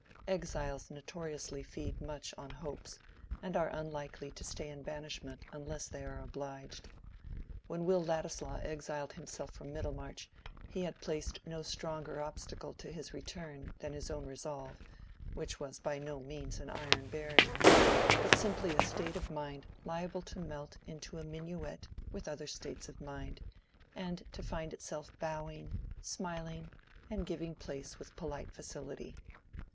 Exiles notoriously feed much on hopes, and are unlikely to stay in banishment unless they are obliged. When Will Ladislaw exiled himself from Middlemarch he had placed no stronger obstacle to his return than his own resolve, which was by no means an iron barrier, but simply a state of mind liable to melt into a minuet with other states of mind, and to find itself bowing, smiling, and giving place with polite facility.